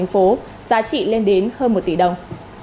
giá trị lên đến hơn một tỷ đồng